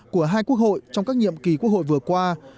của hai quốc hội trong các nhiệm kỳ quốc hội vừa qua